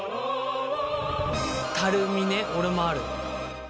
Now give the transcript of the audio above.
たるみね俺もある。